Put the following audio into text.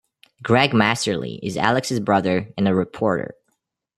Greg Masterley is Alex's brother and a reporter.